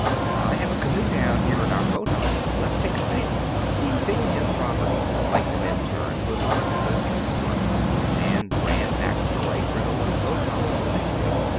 "I have a canoe down here at our boathouse. Let's take a sail." The Bingham property, like the Minturn, was on a cliff at the front, and ran back to the lake, where the little boathouse was situated.